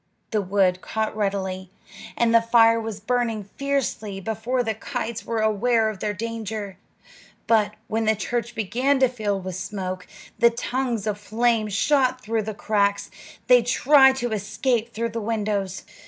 The wood caught readily, and the fire was burning fiercely before the kites were aware of their danger; but when the church began to fill with smoke, and tongues of flame shot through the cracks, they tried to escape through the windows.